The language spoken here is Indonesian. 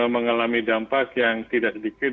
mengalami dampak yang tidak sedikit